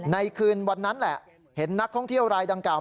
ในคืนวันนั้นแหละเห็นนักท่องเที่ยวรายดังกล่าว